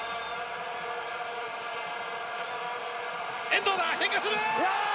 遠藤だ！変化する！